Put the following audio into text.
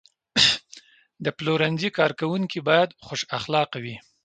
د پلورنځي کارکوونکي باید خوش اخلاقه وي.